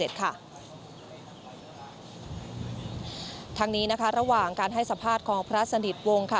ทางนี้นะคะระหว่างการให้สัมภาษณ์ของพระสนิทวงศ์ค่ะ